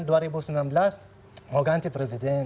saya mau ganti presiden